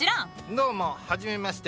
どうもはじめまして。